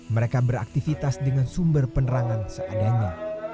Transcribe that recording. mereka beraktivitas dengan sumber penerangan seadanya